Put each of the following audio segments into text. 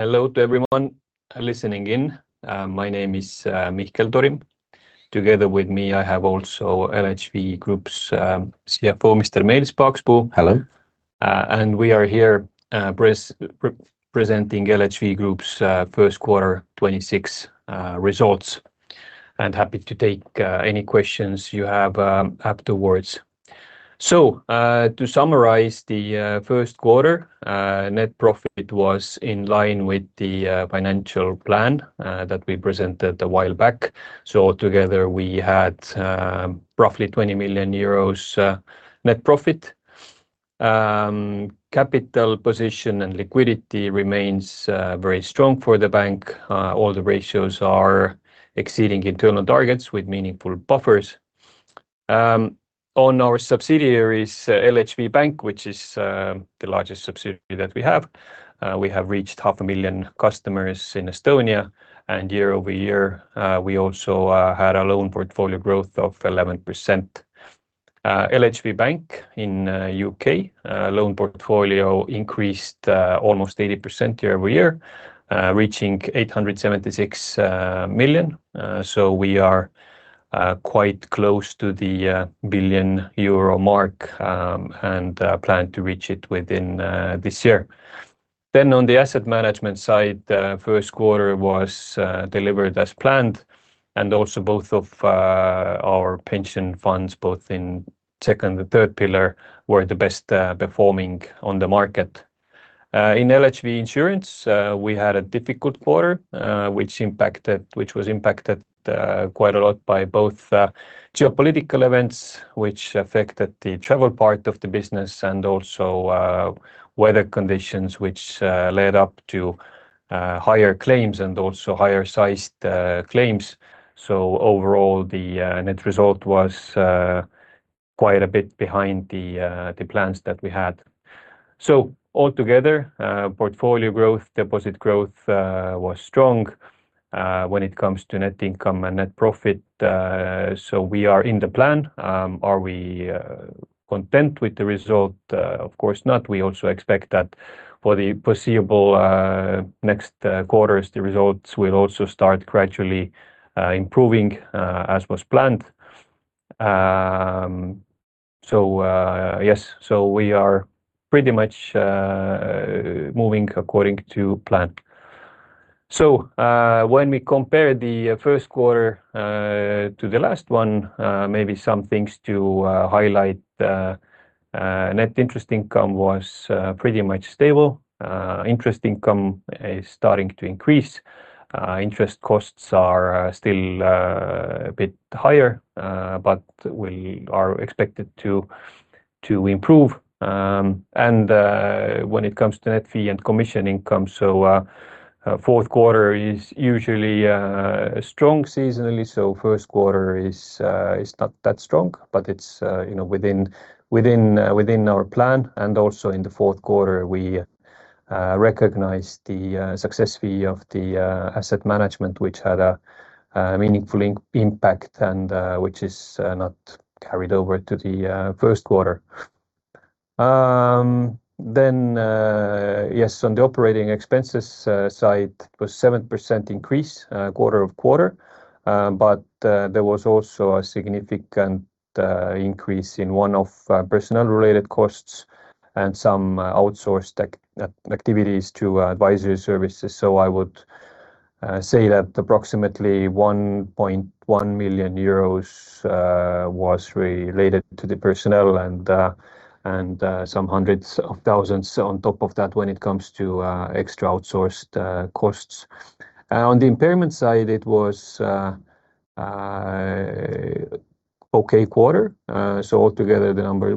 Hello to everyone listening in. My name is Mihkel Torim. Together with me, I have also LHV Group's CFO, Mr. Meelis Paakspuu. Hello. We are here presenting LHV Group's first quarter 2026 results, and we are happy to take any questions you have afterwards. To summarize the first quarter, net profit was in line with the financial plan that we presented a while back. Together we had roughly 20 million euros net profit. Capital position and liquidity remains very strong for the bank. All the ratios are exceeding internal targets with meaningful buffers. On our subsidiaries, LHV Bank, which is the largest subsidiary that we have, we have reached 500,000 customers in Estonia. Year-over-year, we also had a loan portfolio growth of 11%. LHV Bank in the U.K. loan portfolio increased almost 80% year-over-year, reaching 876 million. We are quite close to the 1 billion euro mark, and plan to reach it within this year. On the asset management side, first quarter was delivered as planned and also both of our pension funds, both in second and third pillar, were the best performing on the market. In LHV Insurance, we had a difficult quarter, which was impacted quite a lot by both geopolitical events, which affected the travel part of the business, and also weather conditions which led up to higher claims and also higher sized claims. Overall, the net result was quite a bit behind the plans that we had. Altogether, portfolio growth, deposit growth was strong. When it comes to net income and net profit, so we are in the plan. Are we content with the result? Of course not. We also expect that for the foreseeable next quarters, the results will also start gradually improving as was planned. Yes, we are pretty much moving according to plan. When we compare the first quarter to the last one, maybe some things to highlight. Net interest income was pretty much stable. Interest income is starting to increase. Interest costs are still a bit higher. We are expected to improve. When it comes to net fee and commission income, so fourth quarter is usually strong seasonally. First quarter is not that strong, but it's within our plan. Also in the fourth quarter, we recognized the success fee of the asset management, which had a meaningful impact and which is not carried over to the first quarter. Yes, on the operating expenses side, it was 7% increase quarter-over-quarter. There was also a significant increase in one of personnel-related costs and some outsourced tech activities to advisory services. I would say that approximately 1.1 million euros was related to the personnel and some hundreds of thousands on top of that when it comes to extra outsourced costs. On the impairment side, it was okay quarter. Altogether the number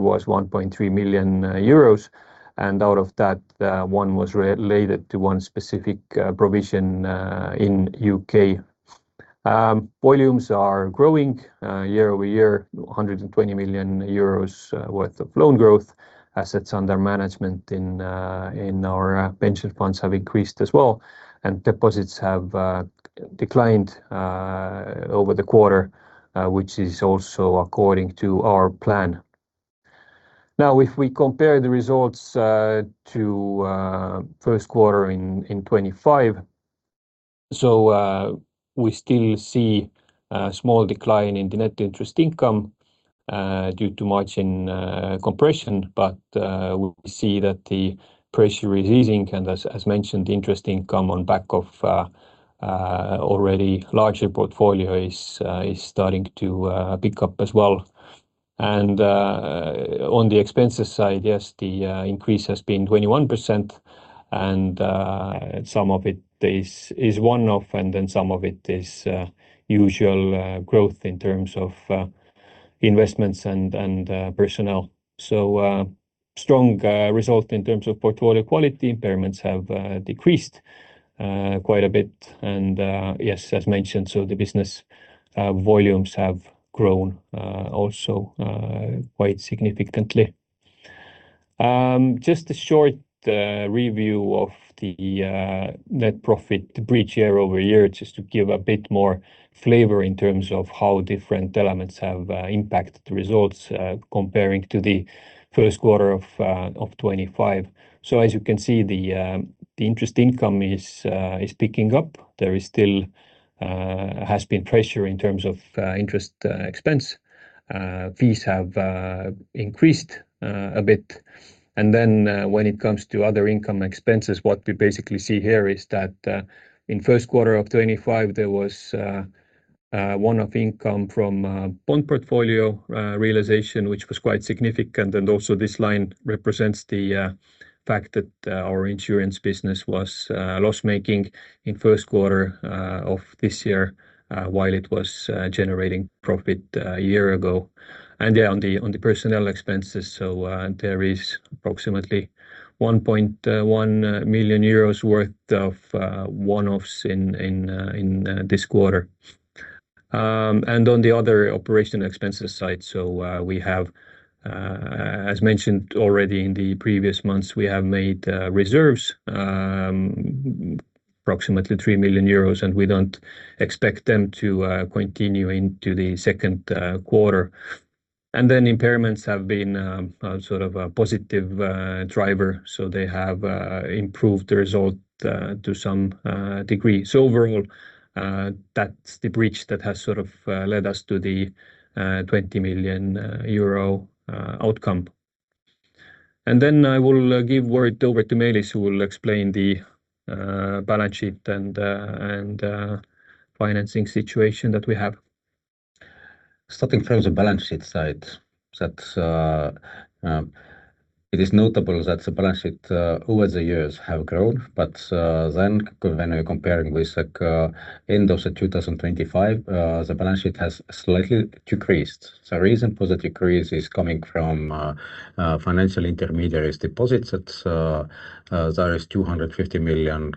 was 1.3 million euros. Out of that, 1 million was related to one specific provision in the U.K. Volumes are growing year-over-year, 120 million euros worth of loan growth. Assets under management in our pension funds have increased as well. Deposits have declined over the quarter, which is also according to our plan. Now, if we compare the results to first quarter in 2025, we still see a small decline in the net interest income due to margin compression. We see that the pressure is easing. As mentioned, interest income on the back of already larger portfolio is starting to pick up as well. On the expenses side, yes, the increase has been 21% and some of it is one-off, and then some of it is usual growth in terms of investments and personnel. Strong result in terms of portfolio quality. Impairments have decreased quite a bit. Yes, as mentioned, so the business volumes have grown also quite significantly. Just a short review of the net profit, the bridge year-over-year, just to give a bit more flavor in terms of how different elements have impacted the results comparing to the first quarter of 2025. As you can see, the interest income is picking up. There still has been pressure in terms of interest expense. Fees have increased a bit. Then when it comes to other income expenses, what we basically see here is that in first quarter of 2025, there was one-off income from bond portfolio realization, which was quite significant. Also this line represents the fact that our insurance business was loss-making in first quarter of this year, while it was generating profit a year ago. On the personnel expenses, there is approximately 1.1 million euros worth of one-offs in this quarter. On the other operational expenses side, so we have, as mentioned already in the previous months, we have made reserves, approximately 3 million euros, and we don't expect them to continue into the second quarter. Then impairments have been a positive driver. They have improved the result to some degree. Overall, that's the bridge that has led us to the 20 million euro outcome. I will give word over to Meelis, who will explain the balance sheet and financing situation that we have. Starting from the balance sheet side, it is notable that the balance sheet over the years have grown, but then when we're comparing with end of 2025, the balance sheet has slightly decreased. Reason for the decrease is coming from financial intermediaries deposits. There is 250 million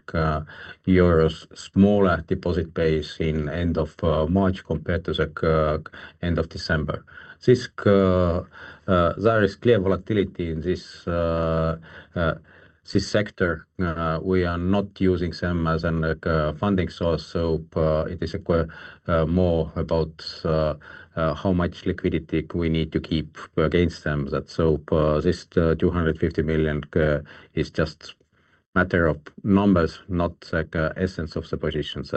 euros smaller deposit base in end of March compared to the end of December. There is clear volatility in this sector. We are not using them as a funding source, so it is more about how much liquidity we need to keep against them. This 250 million is just matter of numbers, not essence of the positions.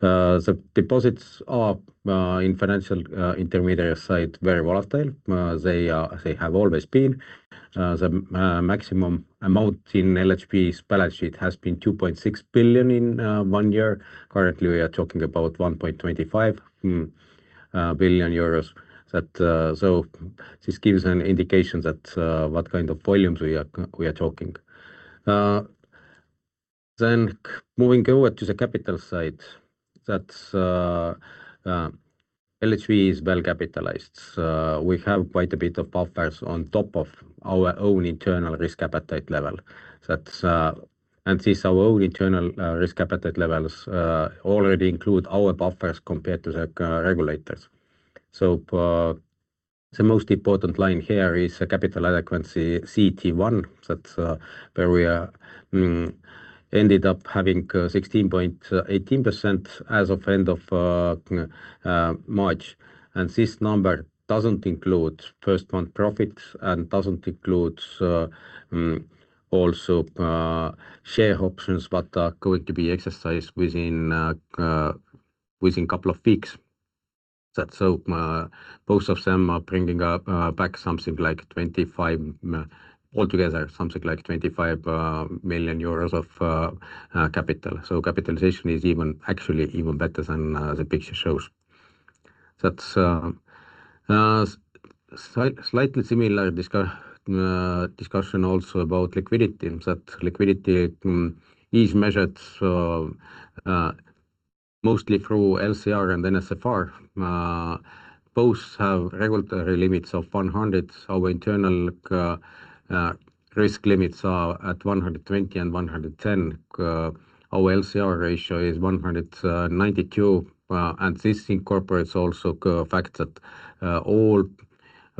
The deposits are, in financial intermediary side, very volatile. They have always been. The maximum amount in LHV's balance sheet has been 2.6 billion in one year. Currently, we are talking about 1.25 billion euros. This gives an indication what kind of volumes we are talking. Moving over to the capital side, LHV is well capitalized. We have quite a bit of buffers on top of our own internal risk appetite level. Since our own internal risk appetite levels already include our buffers compared to the regulators. The most important line here is the capital adequacy CET1. That's where we ended up having 16.18% as of end of March. This number doesn't include first month profits and doesn't include also share options that are going to be exercised within couple of weeks. Both of them are bringing back something like 25 million euros of capital. Capitalization is actually even better than the picture shows. Slightly similar discussion also about liquidity, that liquidity is measured mostly through LCR and NSFR. Both have regulatory limits of 100%. Our internal risk limits are at 120% and 110%. Our LCR ratio is 192%, and this incorporates also the fact that all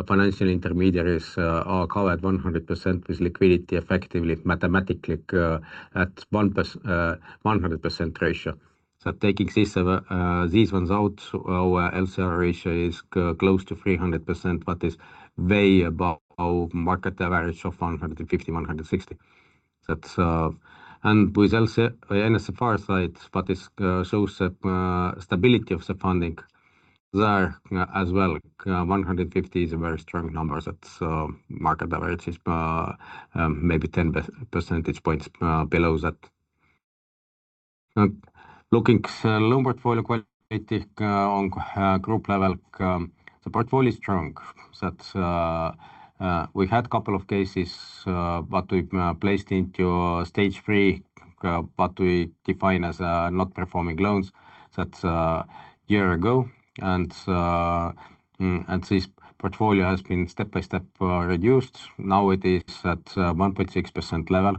financial intermediaries are covered 100% with liquidity effectively, mathematically, at 100% ratio. Taking these ones out, our LCR ratio is close to 300%, which is way above market average of 150%-160%. With NSFR side, which shows the stability of the funding there as well. 150 is a very strong number. Market average is maybe 10 percentage points below that. Looking at loan portfolio quality on group level, the portfolio is strong. We had a couple of cases, which we placed into Stage 3, which we define as non-performing loans a year ago. This portfolio has been step-by-step reduced. Now it is at 1.6% level.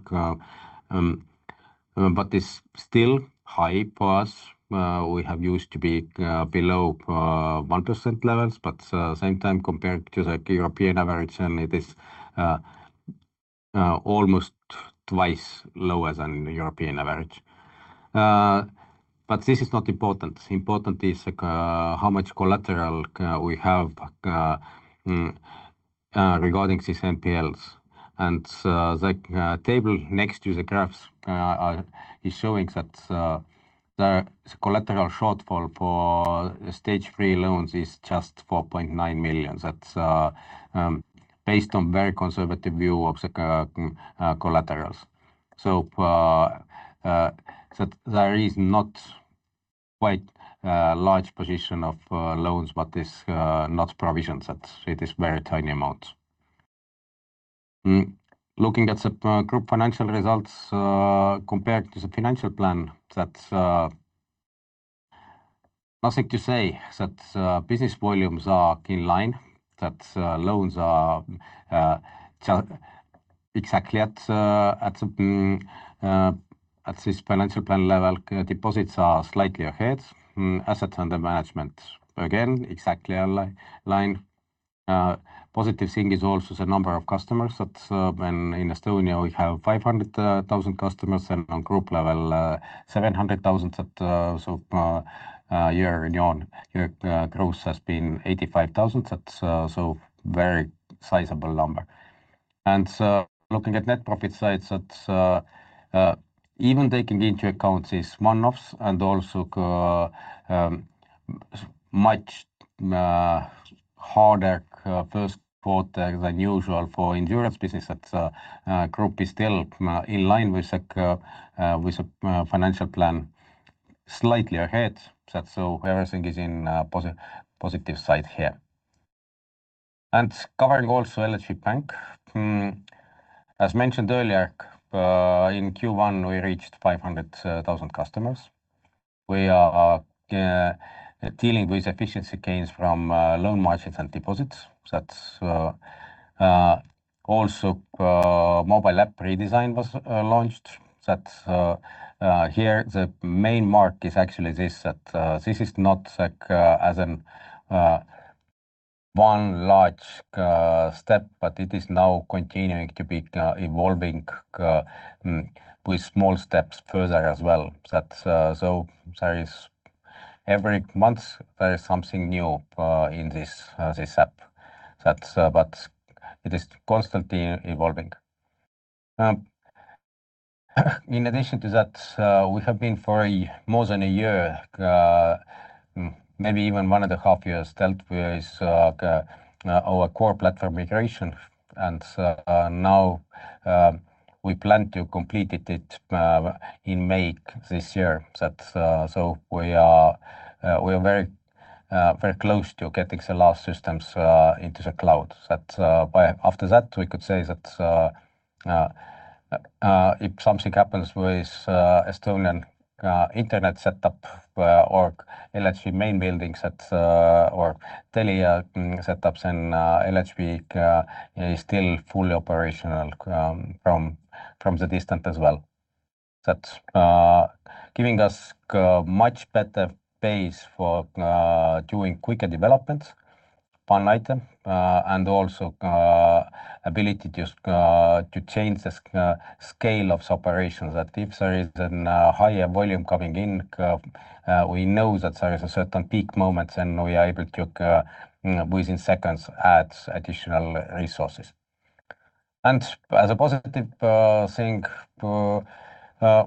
It's still high for us. We used to be below 1% levels, but at the same time compared to the European average, and it is almost twice lower than European average. This is not important. Important is how much collateral we have regarding these NPLs, and the table next to the graphs is showing that the collateral shortfall for Stage 3 loans is just 4.9 million. That's based on very conservative view of secondary collaterals. There is not quite a large position of loans that is not provisioned; it is very tiny amount. Looking at the group financial results, compared to the financial plan, there's nothing to say that business volumes are in line, that loans are exactly at this financial plan level, deposits are slightly ahead. Assets under management, again, exactly in line. Positive thing is also the number of customers that we have in Estonia: 500,000 customers and on group level, 700,000. That year-over-year growth has been 85,000. That's so very sizable number. Looking at net profit sides, even taking into account these one-offs and also much harder first quarter than usual for insurance business, that group is still in line with the financial plan slightly ahead. Everything is in positive side here. Covering also LHV Pank. As mentioned earlier, in Q1, we reached 500,000 customers. We are dealing with efficiency gains from loan margins and deposits. That's also mobile app redesign was launched. That here the main mark is actually this, that this is not as one large step, but it is now continuing to be evolving with small steps further as well. Every month, there is something new in this app. It is constantly evolving. In addition to that, we have been for more than a year, maybe even 1.5 years dealt with our core platform migration. Now, we plan to complete it in May this year. We are very close to getting the last systems into the cloud. After that, we could say that if something happens with Estonian internet setup or LHV main buildings or Telia setups and LHV is still fully operational from a distance as well. That's giving us much better base for doing quicker development online, and also ability to change the scale of operations, that if there is a higher volume coming in, we know that there is a certain peak moments, and we are able to, within seconds, add additional resources. As a positive thing,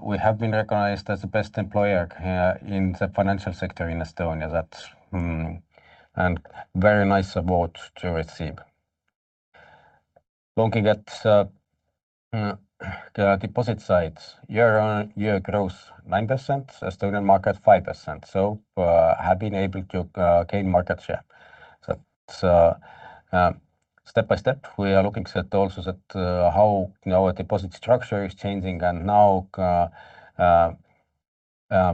we have been recognized as the best employer here in the financial sector in Estonia. That's a very nice award to receive. Looking at the deposit sides, year-on-year growth 9%, Estonian market 5%. We have been able to gain market share. That's step-by-step, we are looking also at how our deposit structure is changing, and Nowaco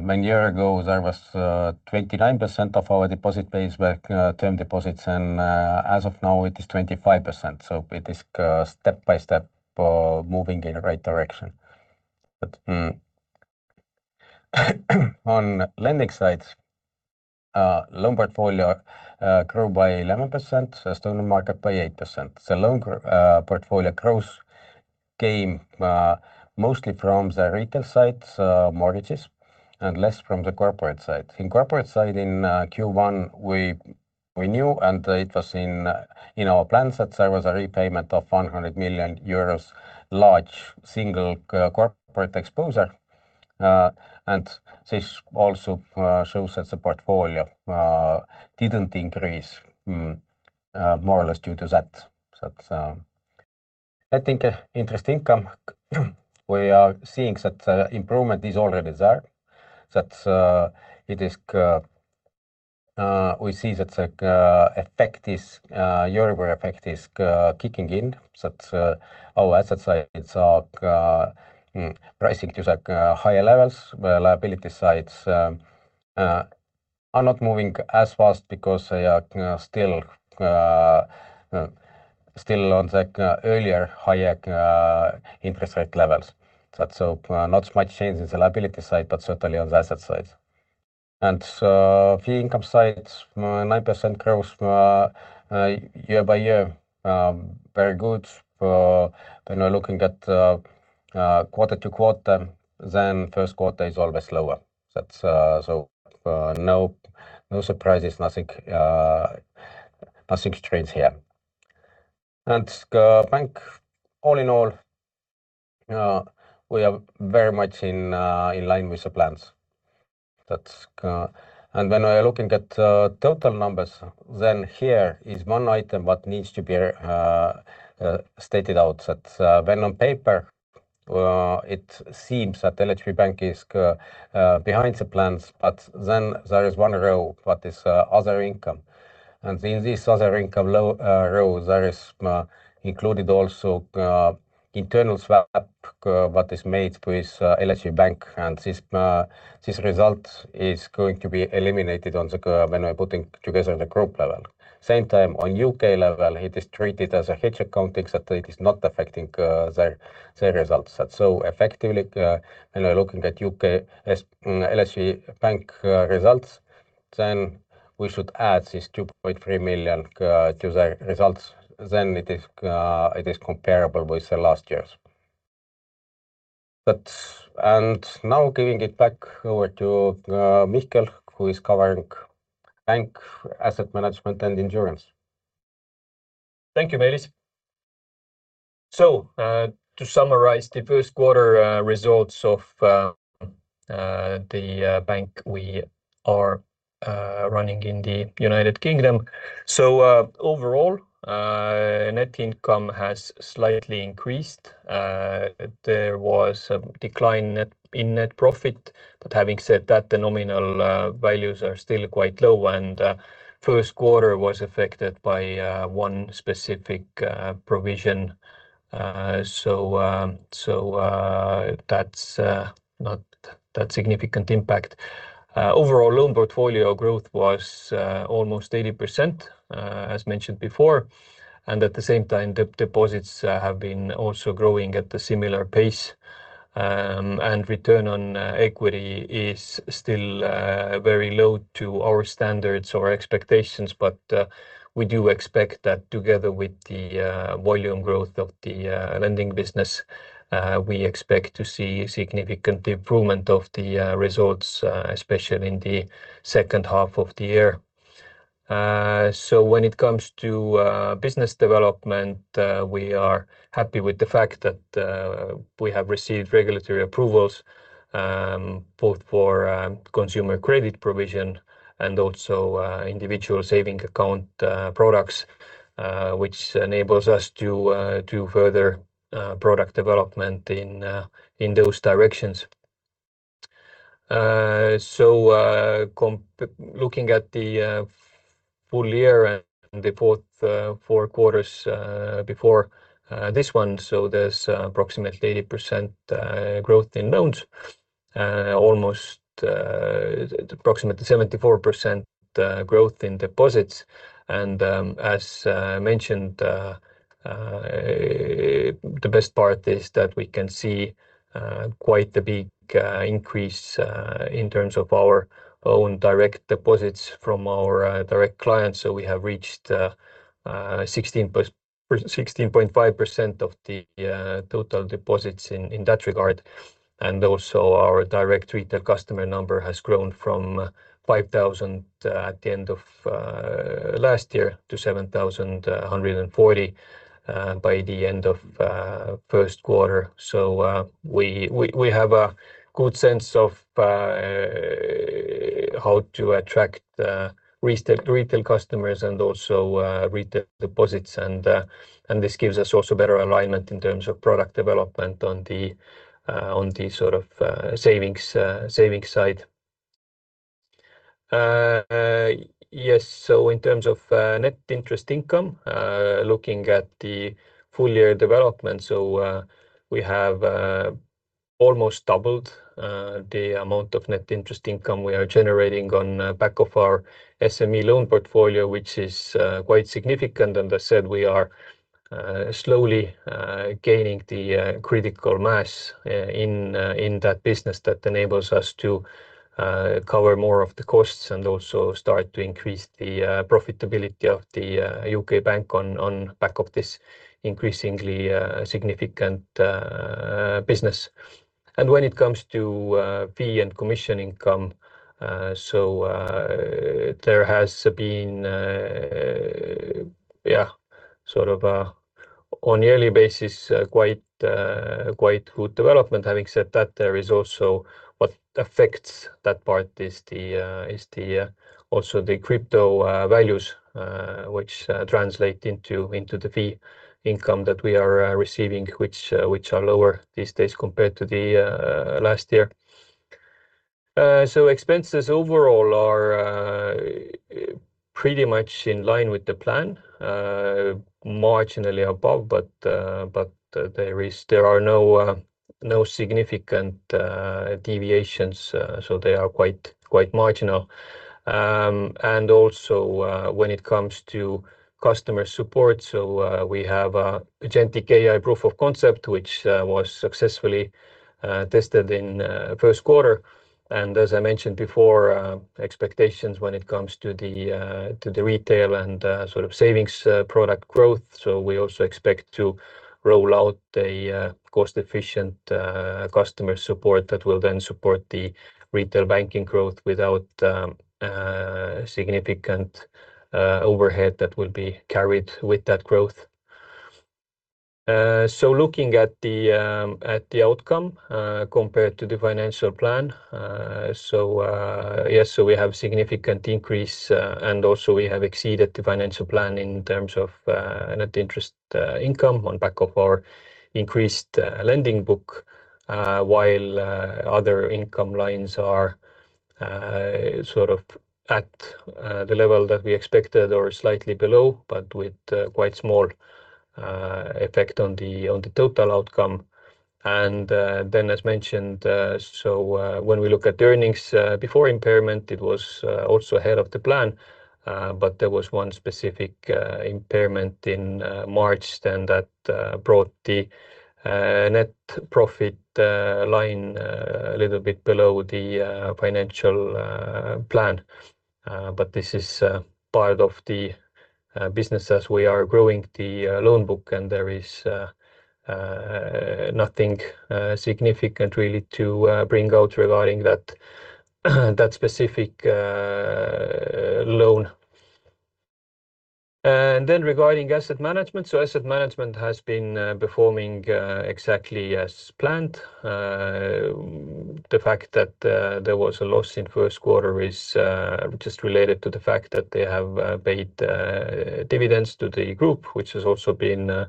many years ago, there was 29% of our deposit base were term deposits, and as of now it is 25%. It is step-by-step moving in the right direction. On lending sides, loan portfolio grow by 11%, Estonian market by 8%. The loan portfolio growth came mostly from the retail side, mortgages and less from the corporate side. In corporate side in Q1, we knew, and it was in our plans that there was a repayment of 100 million euros, large single corporate exposure. This also shows that the portfolio didn't increase more or less due to that. I think net interest income, we are seeing that improvement is already there. We see that the Euribor effect is kicking in, that our asset sides are pricing to higher levels where liability sides down are not moving as fast because they are still on the earlier higher interest rate levels. Not much change in the liability side, but certainly on the asset side. Fee income side, 9% growth year-over-year. Very good. When we're looking at quarter-over-quarter, then first quarter is always lower. No surprises, nothing strange here. Bank, all in all, we are very much in line with the plans. When we're looking at total numbers, then here is one item what needs to be stated out. That, when on paper, it seems that LHV Bank is behind the plans, but then there is one row, which is other income. In this other income row, there is included also internal swap, which is made with LHV Pank and this result is going to be eliminated when we're putting together the group level. At the same time on U.K. level, it is treated as a hedge accounting that it is not affecting their results. Effectively, when we're looking at U.K. LHV Bank results, then we should add this 2.3 million to their results. It is comparable with the last years. Now giving it back over to Mihkel, who is covering Bank Asset Management, and Insurance. Thank you, Meelis. To summarize the first quarter results of the bank we are running in the United Kingdom. Overall, net income has slightly increased. There was a decline in net profit. Having said that, the nominal values are still quite low and first quarter was affected by one specific provision. That's not that significant impact. Overall loan portfolio growth was almost 80%, as mentioned before. At the same time, deposits have been also growing at the similar pace. Return on equity is still very low to our standards or expectations, but we do expect that together with the volume growth of the lending business, we expect to see significant improvement of the results, especially in the second half of the year. When it comes to business development, we are happy with the fact that we have received regulatory approvals, both for consumer credit provision and also Individual Savings Account products, which enables us to further product development in those directions. Looking at the full year and the four quarters before this one, there's approximately 80% growth in loans. Approximately 74% growth in deposits. As mentioned, the best part is that we can see quite the big increase in terms of our own direct deposits from our direct clients. We have reached 16.5% of the total deposits in that regard. And also our direct retail customer number has grown from 5,000 at the end of last year to 7,140 by the end of first quarter. We have a good sense of how to attract retail customers and also retail deposits. This gives us also better alignment in terms of product development on the savings side. Yes, in terms of net interest income, looking at the full year development. We have almost doubled the amount of net interest income we are generating on back of our SME loan portfolio, which is quite significant. As said, we are slowly gaining the critical mass in that business that enables us to cover more of the costs. Also start to increase the profitability of the U.K. Bank on back of this increasingly significant business. When it comes to fee and commission income, there has been on yearly basis quite good development. Having said that, there is also what affects that part is also the crypto values, which translate into the fee income that we are receiving, which are lower these days compared to the last year. Expenses overall are pretty much in line with the plan, marginally above, but there are no significant deviations, so they are quite marginal. Also when it comes to customer support, so we have an agentic AI proof of concept, which was successfully tested in first quarter. As I mentioned before, expectations when it comes to the retail and savings product growth. We also expect to roll out a cost-efficient customer support that will then support the retail banking growth without significant overhead that will be carried with that growth. Looking at the outcome, compared to the financial plan. We have significant increase, and also we have exceeded the financial plan in terms of net interest income on back of our increased lending book, while other income lines are at the level that we expected or slightly below, but with quite small effect on the total outcome. As mentioned, when we look at earnings before impairment, it was also ahead of the plan. There was one specific impairment in March then that brought the net profit line a little bit below the financial plan. This is part of the business as we are growing the loan book, and there is nothing significant really to bring out regarding that specific loan. Regarding asset management. Asset management has been performing exactly as planned. The fact that there was a loss in first quarter is just related to the fact that they have paid dividends to the group, which has also been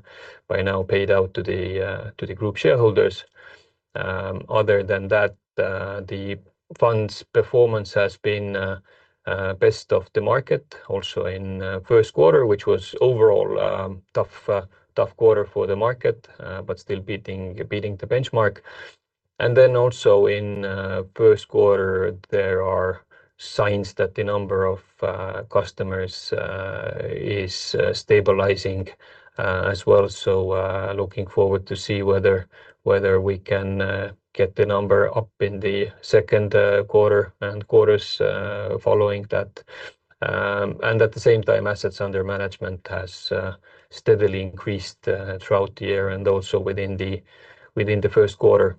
by now paid out to the group shareholders. Other than that, the fund's performance has been best of the market, also in first quarter, which was overall a tough quarter for the market, but still beating the benchmark. Also in first quarter, there are signs that the number of customers is stabilizing as well. Looking forward to see whether we can get the number up in the second quarter and quarters following that. At the same time, assets under management has steadily increased throughout the year and also within the first quarter.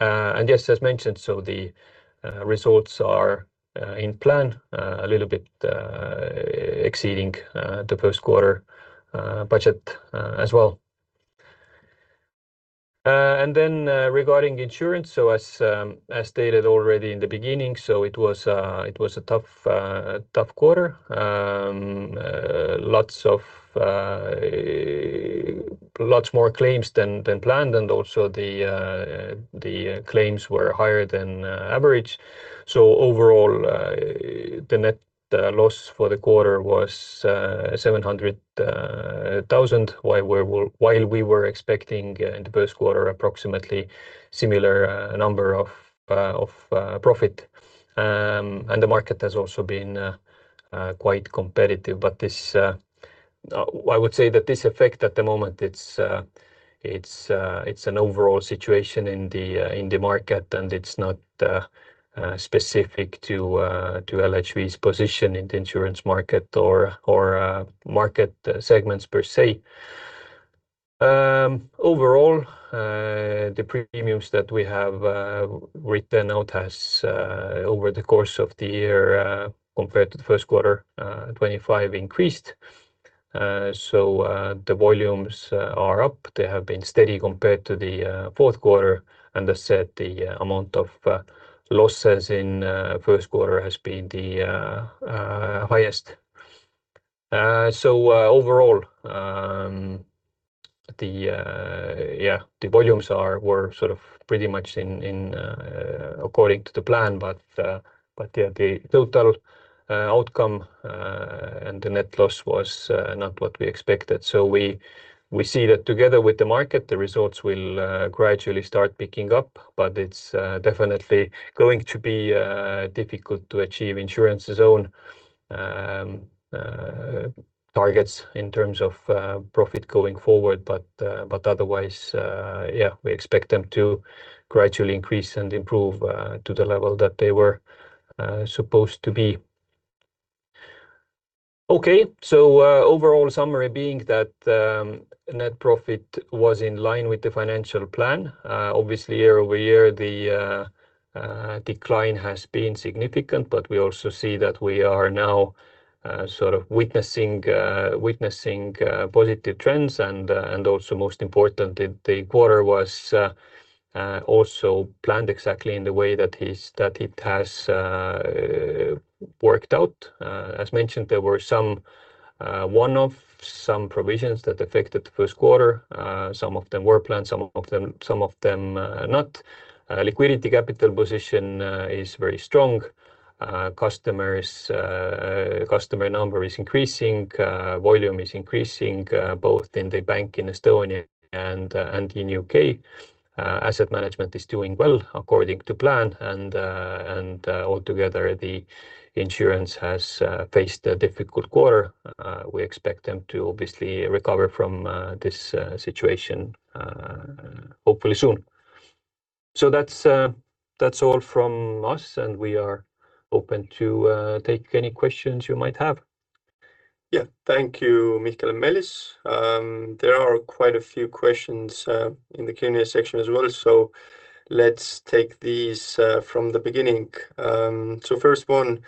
The results are in plan a little bit exceeding the first quarter budget as well. Regarding insurance, so as stated already in the beginning, so it was a tough quarter. Lots more claims than planned, and also the claims were higher than average. Overall, the net loss for the quarter was 700,000, while we were expecting in the first quarter approximately similar number of profit. The market has also been quite competitive. I would say that this effect at the moment, it's an overall situation in the market, and it's not specific to LHV's position in the insurance market or market segments per se. Overall, the premiums that we have written out has, over the course of the year, compared to the first quarter 2025, increased. The volumes are up. They have been steady compared to the fourth quarter, and as said, the amount of losses in first quarter has been the highest. Overall, the volumes were pretty much according to the plan, but the total outcome and the net loss was not what we expected. We see that together with the market, the results will gradually start picking up, but it's definitely going to be difficult to achieve insurance's own targets in terms of profit going forward. Otherwise, we expect them to gradually increase and improve to the level that they were supposed to be. Okay. Overall summary being that net profit was in line with the financial plan. Obviously, year-over-year, the decline has been significant, but we also see that we are now witnessing positive trends and also most importantly, the quarter was also planned exactly in the way that it has worked out. As mentioned, there were some one-off provisions that affected the first quarter. Some of them were planned, some of them not. Liquidity capital position is very strong. Customer number is increasing, volume is increasing, both in the bank in Estonia and in the U.K. Asset management is doing well according to plan, and altogether, the insurance has faced a difficult quarter. We expect them to obviously recover from this situation. Hopefully soon. That's all from us, and we are open to take any questions you might have. Yeah. Thank you, Mihkel and Meelis. There are quite a few questions in the Q&A section as well, so let's take these from the beginning. First one,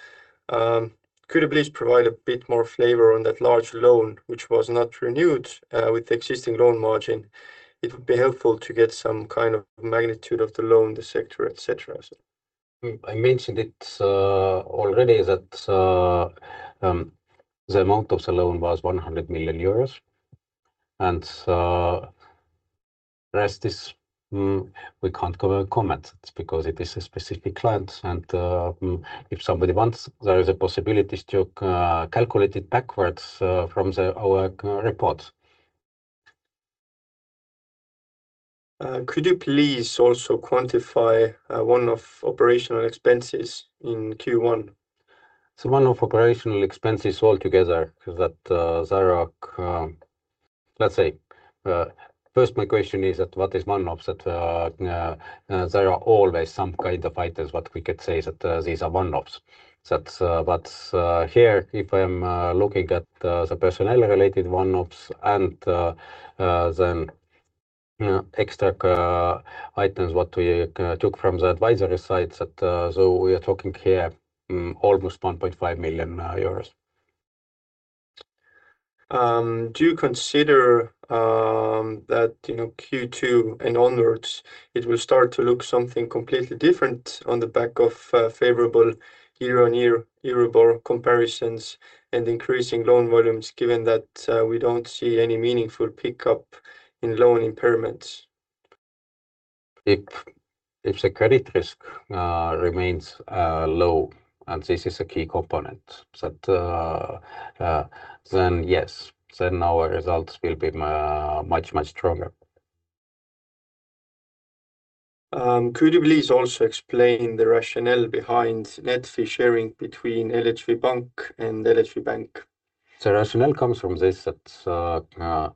could you please provide a bit more flavor on that large loan which was not renewed with existing loan margin? It would be helpful to get some kind of magnitude of the loan, the sector, et cetera. I mentioned it already that the amount of the loan was 100 million euros and rest we can't comment because it is a specific client and if somebody wants, there is a possibility to calculate it backwards from our report. Could you please also quantify one-off operational expenses in Q1? One-off operational expenses altogether that there are. Let's say, first my question is that what is one-offs. That there are always some kind of items what we could say that these are one-offs. Here, if I'm looking at the personnel related one-offs and then extra items, what we took from the advisory side, we are talking here almost 1.5 million euros. Do you consider that, Q2 and onwards, it will start to look something completely different on the back of favorable year-on-year Euribor comparisons and increasing loan volumes, given that we don't see any meaningful pickup in loan impairments? If the credit risk remains low, and this is a key component, then yes. Our results will be much, much stronger. Could you please also explain the rationale behind net fee sharing between LHV Pank and LHV Bank? The rationale comes from this, that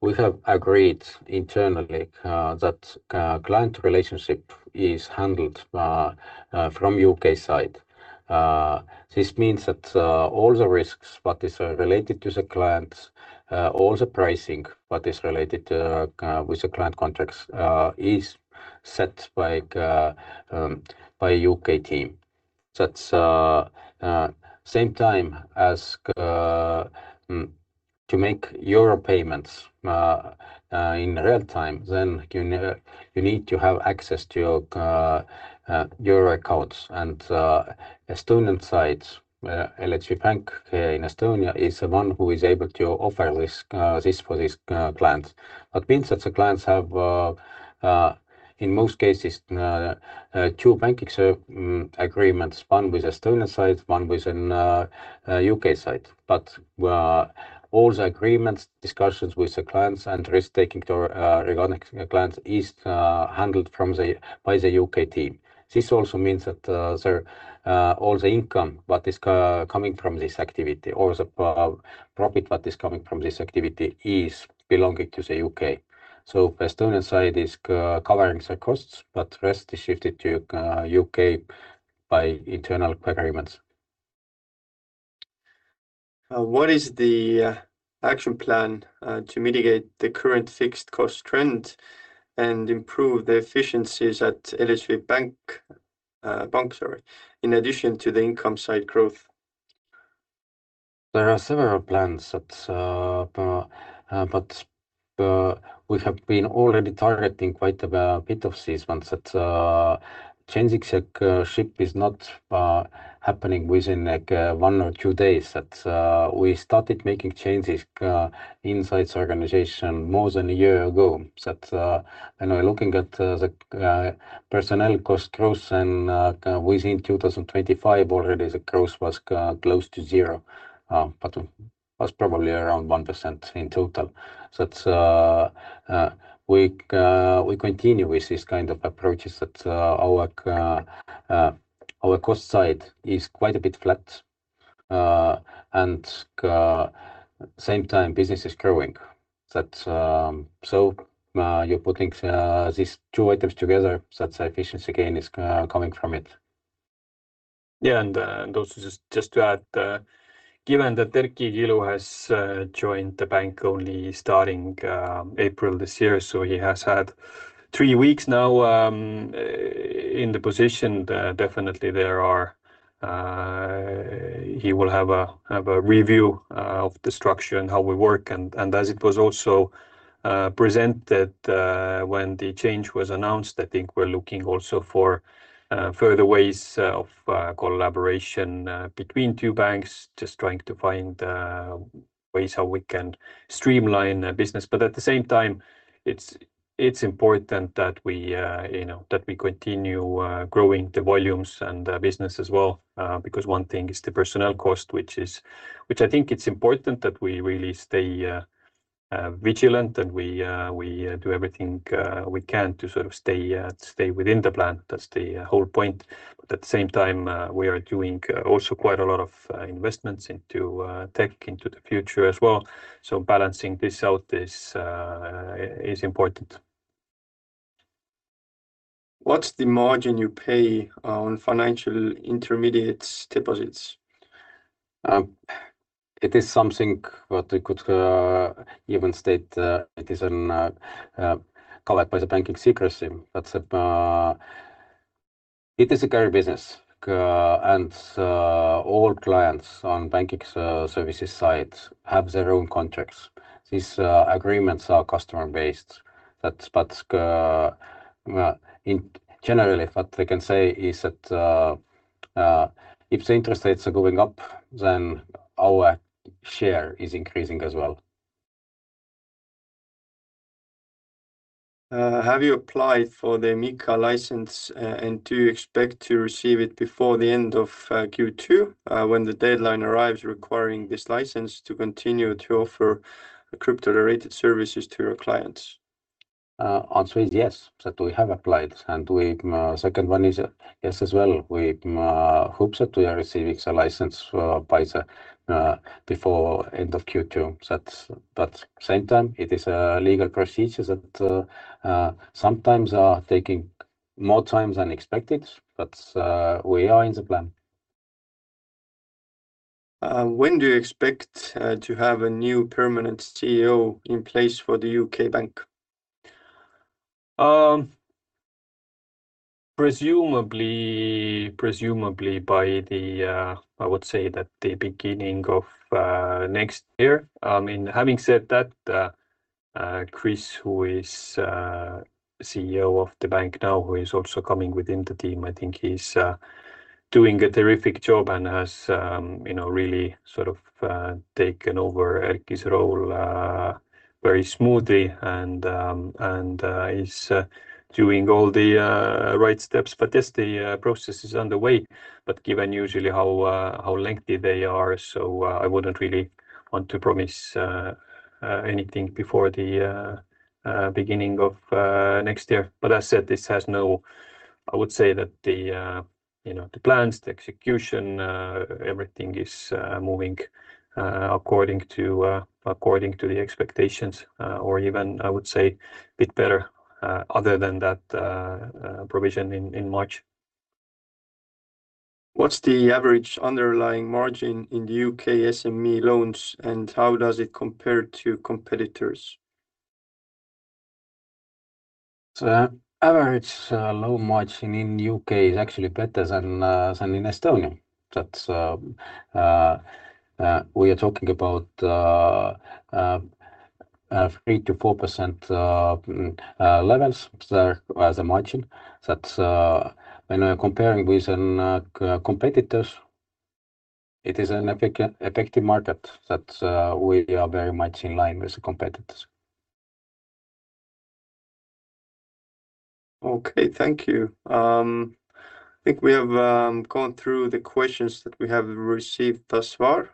we have agreed internally that client relationship is handled from U.K. side. This means that all the risks, what is related to the clients, all the pricing, what is related with the client contracts, is set by U.K. team. At the same time as to make euro payments in real time, then you need to have access to your euro accounts on the Estonian side, LHV Pank here in Estonia is the one who is able to offer this for these clients. That means that the clients have, in most cases, two banking service agreements, one with Estonian side, one with U.K. side. All the agreements, discussions with the clients and risk-taking regarding clients is handled by the U.K. team. This also means that all the income, what is coming from this activity, all the profit what is coming from this activity is belonging to the U.K. Estonian side is covering the costs, but rest is shifted to U.K. by internal agreements. What is the action plan to mitigate the current fixed cost trend and improve the efficiencies at LHV Pank, in addition to the income side growth? There are several plans, but we have been already targeting quite a bit of these ones. That changing ship is not happening within one or two days. That we started making changes inside the organization more than a year ago. That, looking at the personnel cost growth and within 2025 already, the growth was close to zero, but was probably around 1% in total. We continue with this kind of approaches that our cost side is quite a bit flat, and at the same time business is growing. You're putting these two items together, that efficiency gain is coming from it. Yeah. Also just to add, given that Erki Kilu has joined the bank only starting April this year, so he has had three weeks now in the position. Definitely he will have a review of the structure and how we work and as it was also presented when the change was announced, I think we're looking also for further ways of collaboration between two banks, just trying to find ways how we can streamline the business. At the same time, it's important that we continue growing the volumes and the business as well because one thing is the personnel cost, which I think it's important that we really stay vigilant, and we do everything we can to stay within the plan. That's the whole point. At the same time, we are doing also quite a lot of investments into tech, into the future as well, so balancing this out is important. What's the margin you pay on financial intermediary deposits? It is something that we could even state it is covered by the banking secrecy, but it is a current business, and all clients on banking services side have their own contracts. These agreements are customer-based. Generally, what we can say is that if the interest rates are going up, then our share is increasing as well. Have you applied for the MiCA license, and do you expect to receive it before the end of Q2 when the deadline arrives requiring this license to continue to offer crypto-related services to your clients? Answer is yes, that we have applied. Second one is yes as well. We hope that we are receiving the license before end of Q2. Same time, it is a legal procedure that sometimes are taking more time than expected, but we are in the plan. When do you expect to have a new permanent CEO in place for the U.K. Bank? Presumably by, I would say, the beginning of next year. Having said that, Kris, who is CEO of the bank now, who is also coming within the team, I think he's doing a terrific job and has really sort of taken over Erki's role very smoothly and is doing all the right steps. Yes, the process is underway, but given usually how lengthy they are, so I wouldn't really want to promise anything before the beginning of next year. As I said, I would say that the plans, the execution, everything is moving according to the expectations or even, I would say, a bit better other than that provision in March. What's the average underlying margin in the U.K. SME loans, and how does it compare to competitors? The average loan margin in U.K. is actually better than in Estonia. We are talking about 3%-4% levels as a margin that, when comparing with competitors, is an effective market that we are very much in line with the competitors. Okay. Thank you. I think we have gone through the questions that we have received thus far.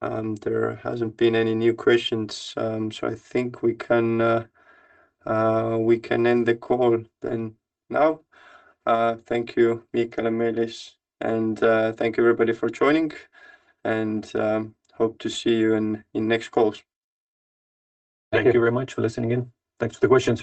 There hasn't been any new questions, so I think we can end the call then now. Thank you, Mihkel and Meelis, and thank you everybody for joining, and hope to see you in next calls. Thank you very much for listening in. Thanks for the questions.